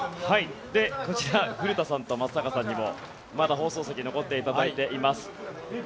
こちら、古田さんと松坂さんにもまだ放送席に残っていただいてます。